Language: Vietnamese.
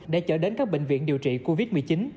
để chở đến các bệnh viện điều trị covid một mươi chín